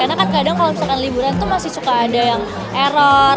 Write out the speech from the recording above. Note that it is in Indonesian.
karena kan kadang kalo misalkan liburan tuh masih suka ada yang error